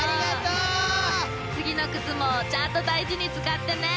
次の靴もちゃんと大事に使ってね。